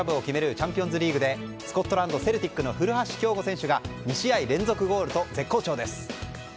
チャンピオンズリーグでスコットランド・セルティックの古橋亨梧選手が２試合連続ゴールと絶好調です。